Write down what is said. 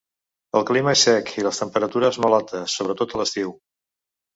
El clima és sec i les temperatures molt altes, sobretot a l'estiu.